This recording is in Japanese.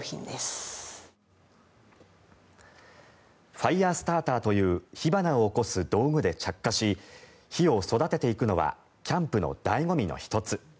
ファイアスターターという火花を起こす道具で着火し火を育てていくのはキャンプの醍醐味の１つ。